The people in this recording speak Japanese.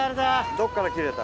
どっから切れた？